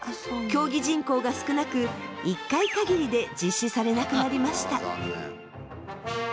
競技人口が少なく１回限りで実施されなくなりました。